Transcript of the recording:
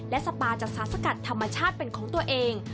และสปาจากสารสกัดธรรมชาติเป็นของตัวเอง